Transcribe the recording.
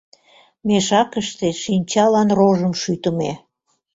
Мешакыште шинчалан рожым шӱтымӧ.